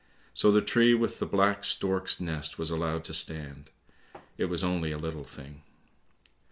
So the tree with the black stork's nest was allowed to stand. It was only a little thing.